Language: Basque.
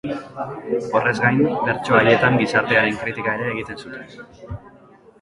Horrez gain, bertso haietan gizartearen kritika ere egiten zuten.